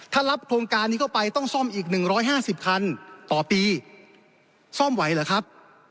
ถ้ารับโครงการนี้เข้าไปต้องซ่อมอีก๑๕๐คันต่อปีซ่อมไหวเหรอครับ